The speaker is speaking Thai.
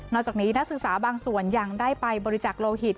จากนี้นักศึกษาบางส่วนยังได้ไปบริจักษ์โลหิต